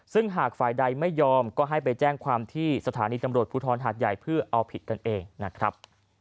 ซึ่งหากฝ่ายใดไม่ยอมก็ให้ไปแจ้งความที่สถานีตำรวจภูทรหาดใหญ่เพื่อเอาผิดกันเองนะครับ